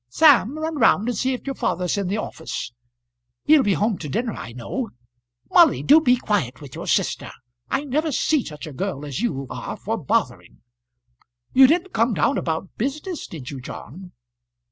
"Sam, run round and see if your father's in the office. He'll be home to dinner, I know. Molly, do be quiet with your sister. I never see such a girl as you are for bothering. You didn't come down about business, did you, John?"